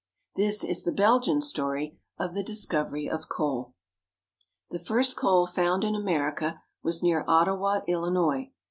This is the Belgian story of the discovery of coal. The first coal found in America was near Ottawa, Illinois.